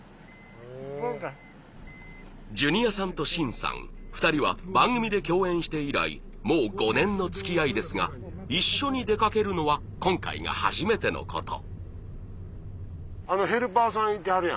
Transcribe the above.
ジュニアさんと愼さん２人は番組で共演して以来もう５年のつきあいですが一緒に出かけるのは今回が初めてのこと。